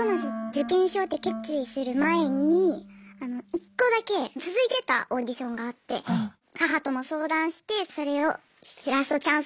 受験しようって決意する前に一個だけ続いてたオーディションがあって母とも相談してそれをラストチャンスとして一回受けて。